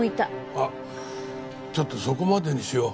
あっちょっとそこまでにしよう。